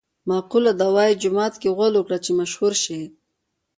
مقوله ده: وايي جومات غول وکړه چې مشهور شې.